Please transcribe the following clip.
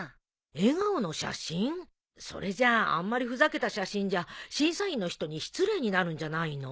それじゃあんまりふざけた写真じゃ審査員の人に失礼になるんじゃないの？